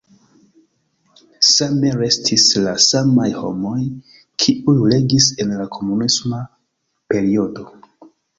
Same restis la samaj homoj, kiuj regis en la komunisma periodo.